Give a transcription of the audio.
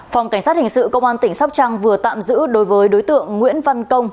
phòng cảnh sát hình sự công an tỉnh sóc trăng vừa tạm giữ đối với đối tượng nguyễn văn công